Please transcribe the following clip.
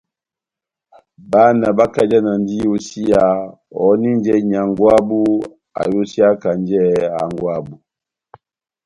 Bána bakajanandi iyosiya ohòninjɛ nyángwɛ wabu ayosiyakanjɛ hángwɛ wabu.